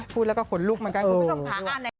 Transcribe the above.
พูดแล้วก็ขนลูกเหมือนกัน